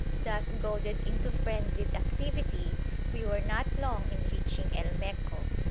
Thus goaded into frenzied activity, we were not long in reaching El Meco.